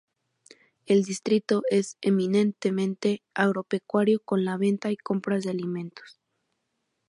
El distrito es eminentemente agropecuario con la venta y compras de alimentos.